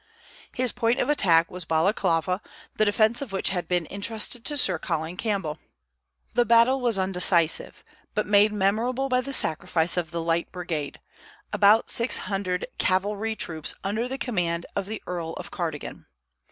His point of attack was Balaklava, the defence of which had been intrusted to Sir Colin Campbell. The battle was undecisive, but made memorable by the sacrifice of the "Light Brigade," about six hundred cavalry troops under the command of the Earl of Cardigan.